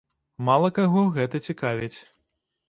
Мала каго гэта цікавіць.